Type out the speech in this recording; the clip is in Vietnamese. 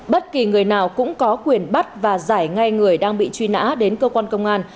bất kỳ người nào cũng có quyền bắt và giải ngay người đang bị truy nã đến cơ quan công an